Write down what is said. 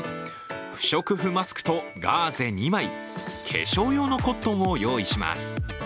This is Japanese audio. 不織布マスクとガーゼ２枚、化粧用のコットンを用意します。